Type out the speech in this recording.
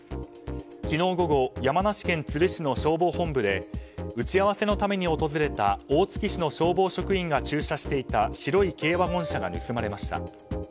昨日午後山梨県都留市の消防本部で打ち合わせのために訪れた大月市の消防職員が駐車していた白い軽ワゴン車が盗まれました。